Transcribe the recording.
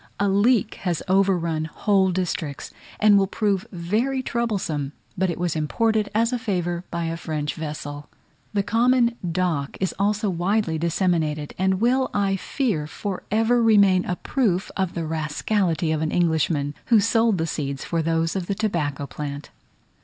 A leek has overrun whole districts, and will prove very troublesome, but it was imported as a favour by a French vessel. The common dock is also widely disseminated, and will, I fear, for ever remain a proof of the rascality of an Englishman, who sold the seeds for those of the tobacco plant.